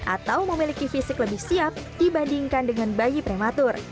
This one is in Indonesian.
atau memiliki fisik lebih siap dibandingkan dengan bayi prematur